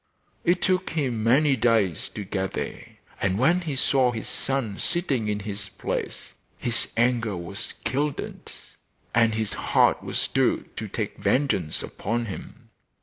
It took him many days to get there, and when he saw his son sitting in his place his anger was kindled, and his heart was stirred to take vengeance upon him.